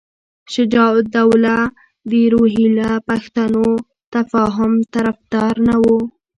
شجاع الدوله د روهیله پښتنو تفاهم طرفدار نه وو.